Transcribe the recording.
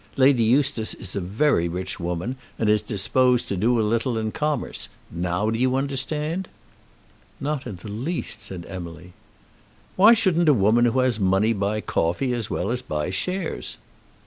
Lady Eustace is a very rich woman, and is disposed to do a little in commerce. Now do you understand?" "Not in the least," said Emily. "Why shouldn't a woman who has money buy coffee as well as buy shares?"